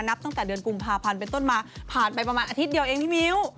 นับตั้งแต่เดือนกุมภาพันธ์เป็นต้นมาผ่านไปประมาณอาทิตย์เดียวเองพี่มิ้ว